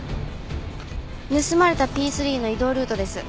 盗まれたＰⅢの移動ルートです。